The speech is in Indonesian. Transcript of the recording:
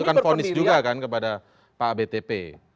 itu kan ponis juga kan kepada pak btp